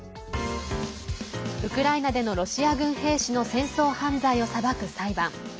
ウクライナでのロシア軍兵士の戦争犯罪を裁く裁判。